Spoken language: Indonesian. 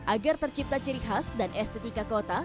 agar tercipta ciri khas dan estetika kota